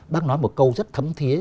bác nói một câu rất thấm thiế